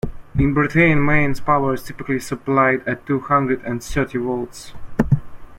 In Britain, mains power is typically supplied at two hundred and thirty volts